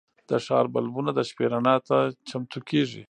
د ښار بلبونه د شپې رڼا ته چمتو کېږي.